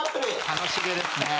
楽し気ですね。